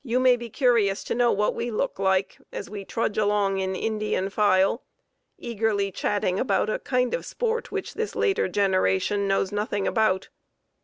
"You may be curious to know what we look like as we trudge along in Indian file, eagerly chatting about a kind of sport which this later generation knows nothing about.